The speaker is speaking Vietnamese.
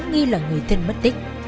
nghi là người thân mất tích